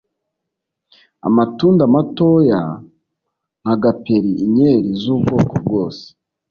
Amatunda matoya nka gaperi inkeri zubwoko bwose